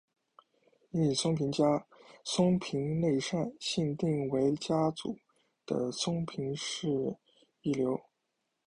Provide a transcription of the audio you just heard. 樱井松平家松平内膳信定为家祖的松平氏庶流。